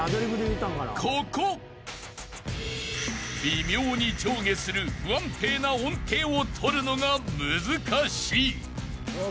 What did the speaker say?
［微妙に上下する不安定な音程をとるのが難しい］